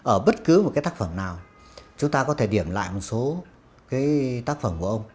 ở bất cứ một cái tác phẩm nào chúng ta có thể điểm lại một số cái tác phẩm của ông